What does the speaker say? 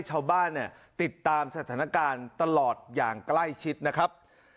ชาวบ้านเนี่ยติดตามสถานการณ์ตลอดอย่างใกล้ชิดนะครับ